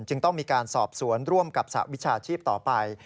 จึงต้องมีการสอบสวนร่วมกับสหวิชาชีพต่อไป